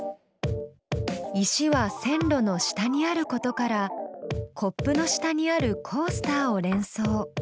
石は線路の下にあることからコップの下にあるコースターを連想。